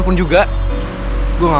pasti ada orang lagi